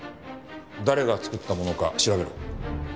誰が作ったものか調べろ。